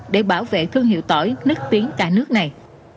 để bảo vệ thương hiệu tỏi nức tiếng cả nước này